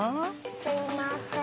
すいません。